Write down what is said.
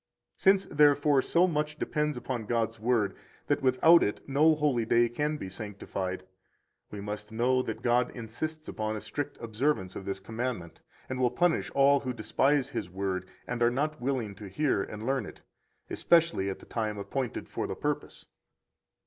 95 Since, therefore, so much depends upon God's Word that without it no holy day can be sanctified, we must know that God insists upon a strict observance of this commandment, and will punish all who despise His Word and are not willing to hear and learn it, especially at the time appointed for the purpose.